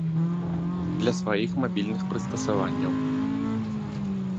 Для сваіх мабільных прыстасаванняў.